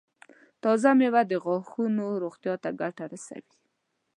تازه مېوه د غاښونو روغتیا ته ګټه رسوي.